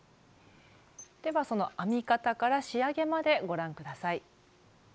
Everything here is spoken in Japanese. ではその編み方から仕上げまでご覧下さい。